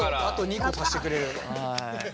あと２個足してくれれば。